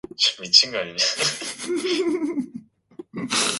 그의 의모가 뜰 밖을 나갔을 때 옥점이는 한숨을 호 쉬었다.